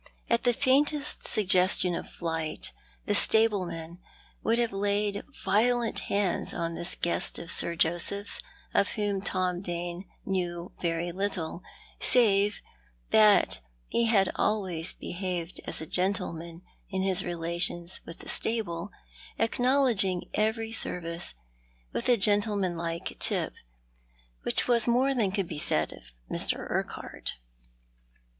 At the faintest suggestion of flight the stableman would have laid violent hands on this guest of Sir Joseph's, of whom Tom Dane knew very little, save that he had always behaved as a gentle man in his relations with the stable, acknowledging every service with a gentlemanlike tip, which was more than could be said of Mr. Urquhart.